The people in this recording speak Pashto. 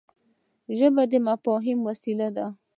ژبه د مفاهمې وسیله ده